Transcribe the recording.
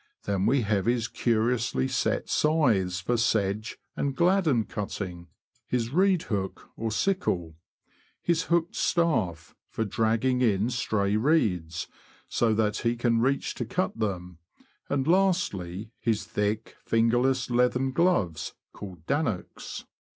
Then we have his curi ously set scythes for sedge and gladdon cutting; his reed hook, or sickle ; his hooked staff, for dragging in stray reeds, so that he can reach to cut them ; and lastly, his thick, finger less, leathern gloves, called " dannocks."